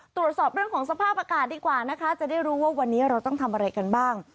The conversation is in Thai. ตรวจสอบเรื่องของสภาพอากาศดีกว่านะคะจะได้รู้ว่าวันนี้เราต้องทำอะไรกันบ้าง